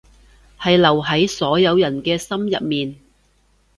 係留喺所有人嘅心入面